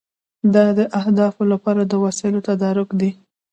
دا د اهدافو لپاره د وسایلو تدارک دی.